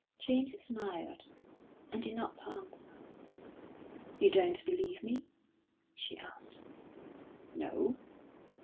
James smiled, and did not answer. "You don't believe me?" she asked. "No!"